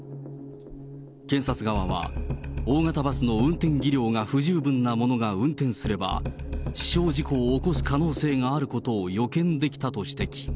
検察側は、大型バスの運転技量が不十分な者が運転すれば、死傷事故を起こす可能性があることを予見できたと指摘。